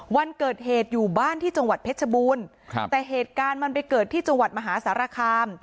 วันเกิดเหตุอยู่บ้านที่จังหวัดเพชรบูรณ์ครับแต่เหตุการณ์มันไปเกิดที่จังหวัดมหาสารคาม